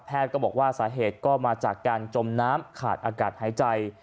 ก็บอกว่าสาเหตุก็มาจากการจมน้ำขาดอากาศหายใจ